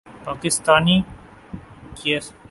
پاکستانی کَیا طرح صبح سویرے بیدار ہونا اور پریس کانفرنس کرنا